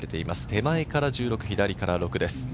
手前から１６、左から６です。